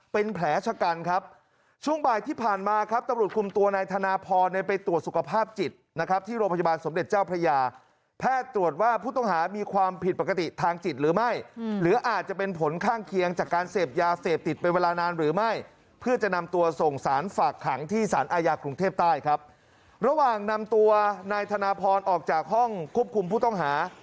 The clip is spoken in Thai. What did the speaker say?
เป็นแผลชะกันครับช่วงบ่ายที่ผ่านมาครับตำรวจคุมตัวนายธนาพรเนี่ยไปตรวจสุขภาพจิตนะครับที่โรงพยาบาลสมเด็จเจ้าพระยาแพทย์ตรวจว่าผู้ต้องหามีความผิดปกติทางจิตหรือไม่หรืออาจจะเป็นผลข้างเคียงจากการเสพยาเสพติดเป็นเวลานานหรือไม่เพื่อจะนำตัวส่งสารฝากขังที่สารอาญากรุงเทพใต้ครับระหว่างนำตัวนายธนพรออกจากห้องควบคุมผู้ต้องหา